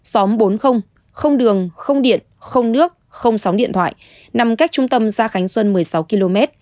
xóm bốn không đường không điện không nước không sóng điện thoại nằm cách trung tâm gia khánh xuân một mươi sáu km